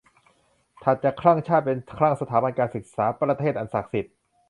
ถัดจากคลั่งชาติ เป็นคลั่งสถาบันการศึกษา ประเทศอันศักดิ์สิทธิ์